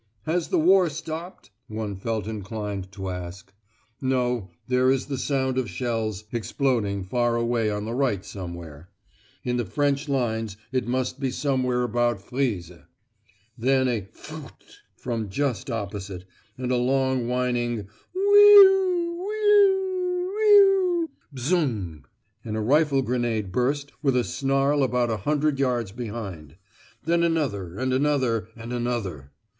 "Has the war stopped?" one felt inclined to ask. No, there is the sound of shells exploding far away on the right somewhere; in the French lines it must be, somewhere about Frise. Then a "phut" from just opposite, and a long whining "we'oo we'oo we'oo we' oo ... bzung," and a rifle grenade burst with a snarl about a hundred yards behind. Then another, and another, and another.